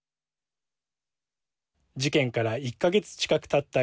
事件から１か月近くたった